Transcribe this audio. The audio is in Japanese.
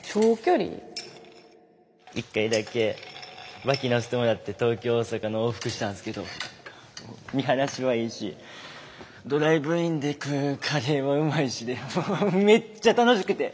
一回だけ脇乗せてもらって東京大阪の往復したんすけど見晴らしはいいしドライブインで食うカレーもうまいしでもうめっちゃ楽しくて。